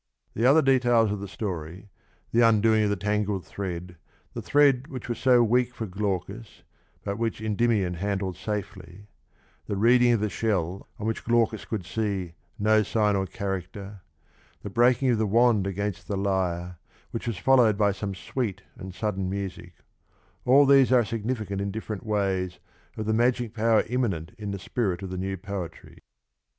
The other details of the story — the undoing of the tangled thread, the thread which was so weak for Glaucus, but which Endymion handled safely ; the read ing of the shell on which Glaucus could see " no sign or character "; the breaking of the wand against the lyre, which was followed by some sweet and sudden music — all these are significant in different ways of the magic power immanent in the spirit of the new poetry.